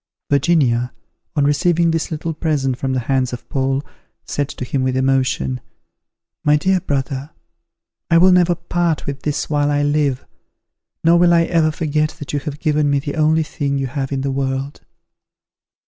Virginia, on receiving this little present from the hands of Paul, said to him, with emotion, "My dear brother, I will never part with this while I live; nor will I ever forget that you have given me the only thing you have in the world."